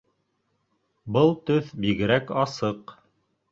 Был төҫ бигерәк асыҡ